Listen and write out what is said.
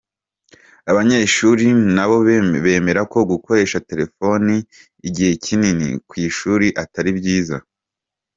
Abanyeshuri na bo bemera ko gukoresha telefone igihe kinini ku ishuri atari byiza.